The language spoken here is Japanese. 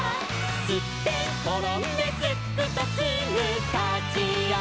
「すってんころんですっくとすぐたちあがる」